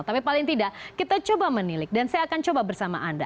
tapi paling tidak kita coba menilik dan saya akan coba bersama anda